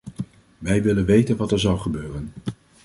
Wij willen weten wat er zal gebeuren.